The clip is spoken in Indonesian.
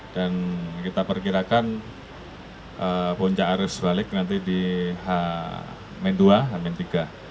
dan kita perkirakan ponca arus balik nanti di h dua dan h tiga